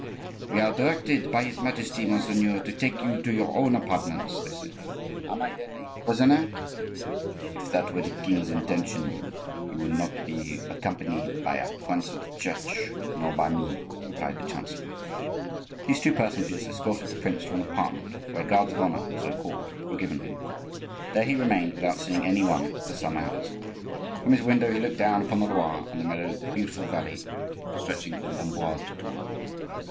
"We are directed by his Majesty, monseigneur, to take you to your own apartments," they said. "Am I, then, a prisoner?" "If that were the king's intention you would not be accompanied by a prince of the Church, nor by me," replied the chancellor. These two personages escorted the prince to an apartment, where guards of honor—so called—were given him. There he remained, without seeing any one, for some hours. From his window he looked down upon the Loire and the meadows of the beautiful valley stretching from Amboise to Tours.